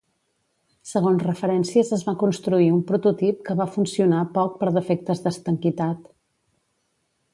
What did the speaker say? Segons referències es va construir un prototip que va funcionar poc per defectes d'estanquitat.